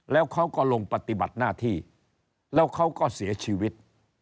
แล้วเขาก็ลงปฏิบัติหน้าที่แล้วเขาก็เสียชีวิต